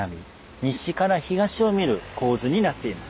西から東を見る構図になっています。